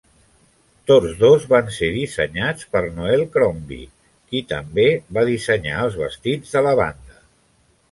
Tots dos van ser dissenyats per Noel Crombie, qui també va dissenyar els vestits de la banda.